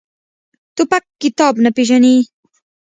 توپک کتاب نه پېژني.